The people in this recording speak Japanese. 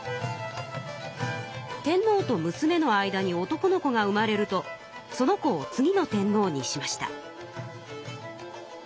天皇と娘の間に男の子が産まれるとその子を次の天皇にしました。